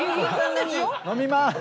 「飲みまーす！」